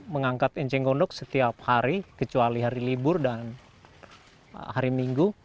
mengangkat enceng gondok setiap hari kecuali hari libur dan hari minggu